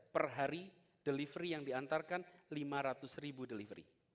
perhari delivery yang diantarkan lima ratus ribu delivery